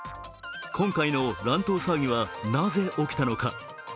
今回の乱闘騒ぎはなぜ起きたのか。